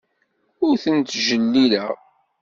Ur ten-ttjellileɣ.